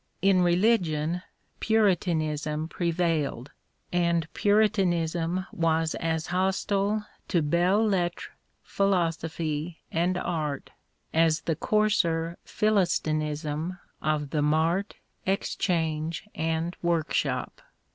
In religion Puritanism prevailed, and Puritanism was as hostile to belles lettres, philosophy, and art as the coarser Philistinism of the mart, exchange, and workshop.